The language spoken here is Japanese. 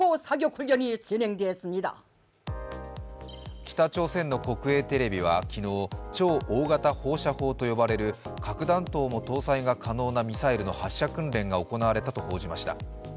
北朝鮮の国営テレビは昨日超大型放射砲と呼ばれる核弾頭も搭載が可能なミサイルの発射訓練が行われたと報じました。